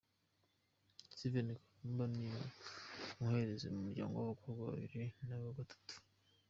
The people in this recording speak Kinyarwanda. Steven Kanumba, ni umuhererezi mu muryango w’abakobwa babiri nawe wa gatatu.